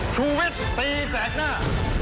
ชวิตตีแสกหน้า